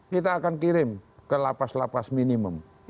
kita akan kirim ke lapas lapas minimum